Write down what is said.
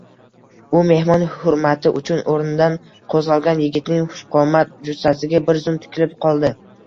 U mehmon hurmati uchun oʼrnidan qoʼzgʼalgan yigitning xushqomat jussasiga bir zum tikilib qoldi.